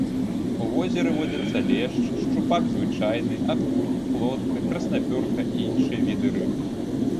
У возеры водзяцца лешч, шчупак звычайны, акунь, плотка, краснапёрка і іншыя віды рыб.